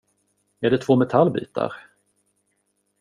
Är det två metallbitar?